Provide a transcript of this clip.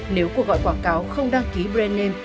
nếu cuộc gọi quảng cáo không đăng ký brand name